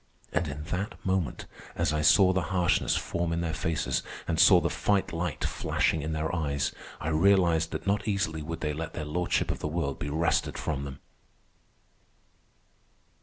And in that moment, as I saw the harshness form in their faces and saw the fight light flashing in their eyes, I realized that not easily would they let their lordship of the world be wrested from them.